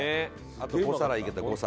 あと５皿いけた５皿。